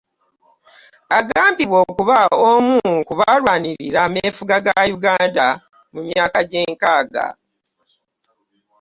Agambibwa okuba omu ku baalwanirira ameefuga ga Uganda mu myaka gy'enkaaga.